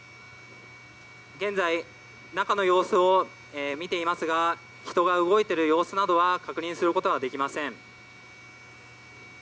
現在、中の様子を見ていますが人が動いている様子などは確認することはできません。